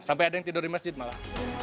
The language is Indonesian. sampai ada yang tidur di masjid malah